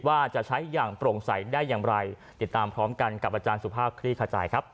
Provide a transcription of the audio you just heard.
ว่าจะใช้อย่างโปร่งใสได้อย่างไรติดตามพร้อมกันกับอาจารย์สุภาพคลี่ขจายครับ